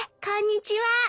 こんにちは。